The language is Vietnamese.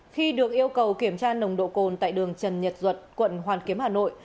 khi được yêu cầu kiểm tra nồng độ cồn tại đường trần nhật duật quận hoàn kiếm hà nội